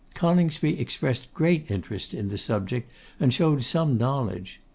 Coningsby expressed great interest in the subject, and showed some knowledge.